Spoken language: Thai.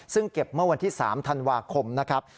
ซึ่งเก็บเมื่อวันที่๓ธันวาคมนะครับ